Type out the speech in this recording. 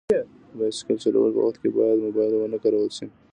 د بایسکل چلولو په وخت باید موبایل ونه کارول شي.